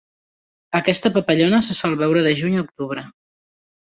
Aquesta papallona se sol veure de juny a octubre.